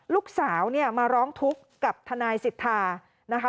ลูกสาวเนี่ยมาร้องทุกข์กับทนายสิทธานะคะ